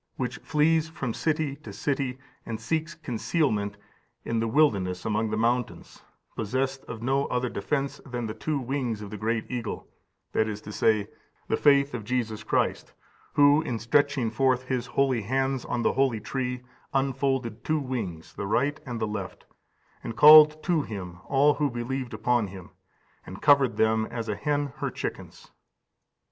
] which flees from city to city, and seeks concealment in the wilderness among the mountains, possessed of no other defence than the two wings of the great eagle, that is to say, the faith of Jesus Christ, who, in stretching forth His holy hands on the holy tree, unfolded two wings, the right and the left, and called to Him all who believed upon Him, and covered them as a hen her chickens.